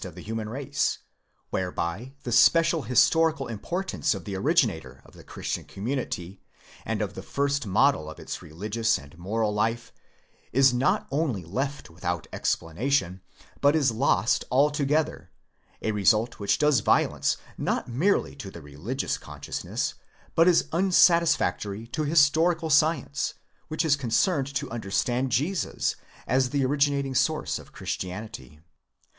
xix of the human race; whereby the special historical importance of the originator of the Christian com munity, and of the first model of its religious and moral life, is not only left without explanation, but is lost altogether, a result which does violence not merely to the religious consciousness, but is unsatis factory to historical science, which is concerned to understand Jesus as the originating source of Christianity.